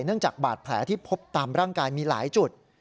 จากบาดแผลที่พบตามร่างกายมีหลายจุด